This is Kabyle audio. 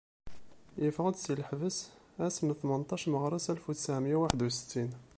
Yeffey-d si lhebs ass n, tmenṭax meɣres alef u ttɛemya u waḥ€d u settin.